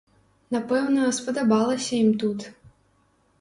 Напэўна, спадабалася ім тут.